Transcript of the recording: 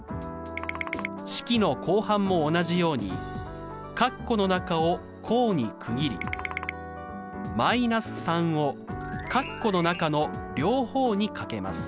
式の後半も同じように括弧の中を項に区切り−３を括弧の中の両方に掛けます。